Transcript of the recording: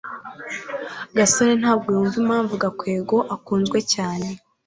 gasore ntabwo yumva impamvu gakwego akunzwe cyane